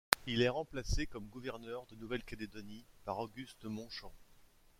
Il est remplacé, comme gouverneur de Nouvelle-Calédonie, par Auguste Montchamp.